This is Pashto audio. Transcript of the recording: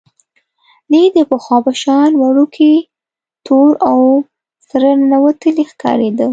دی د پخوا په شان وړوکی، تور او سره ننوتلی ښکارېده.